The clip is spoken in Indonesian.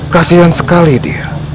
kasian sekali dia